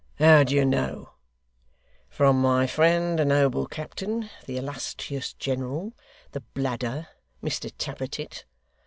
'How do you know?' 'From my friend the noble captain the illustrious general the bladder, Mr Tappertit.